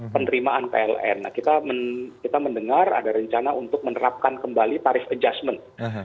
penerimaan pln kita mendengar ada rencana untuk menerapkan kembali tarif adjustment